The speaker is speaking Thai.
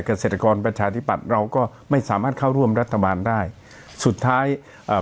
เกษตรกรประชาธิปัตย์เราก็ไม่สามารถเข้าร่วมรัฐบาลได้สุดท้ายอ่า